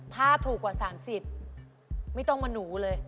ถ้าถูกกว่า๓๐ไม่ต้องมาหนูเลย